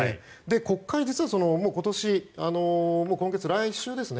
国会、実は今年今月、来週ですよね。